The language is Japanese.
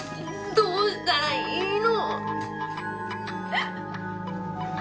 どうしたらいいの。